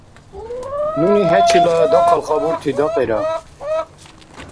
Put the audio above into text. Нуни хӀечила дахъал хабурти дакьира.